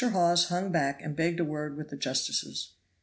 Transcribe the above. Hawes hung back and begged a word with the justices.